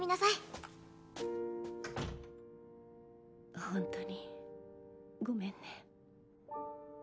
バタンほんとにごめんね。